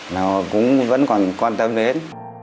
nó cũng vẫn còn quan tâm đến